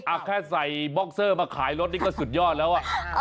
แค่ใส่บ็อกเซอร์มาขายรถนี่ก็สุดยอดแล้วอ่ะ